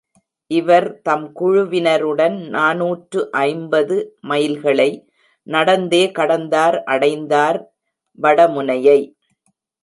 இவர் தம் குழுவினருடன் நாநூற்று ஐம்பது மைல்களை நடந்தே கடந்தார் அடைந்தார் வட முனையை.